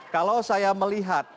kalau saya melihat